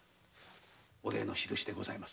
お礼の印でございます。